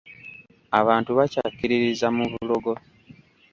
Abantu bakyakkiririza mu bulogo.